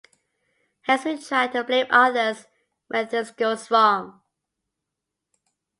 Hence we try to blame others when things goes wrong.